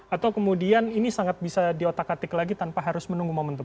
atau kemudian ini sangat bisa diotak atik lagi tanpa harus menunggu momentum